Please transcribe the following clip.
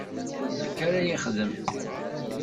Akka ara yexdem.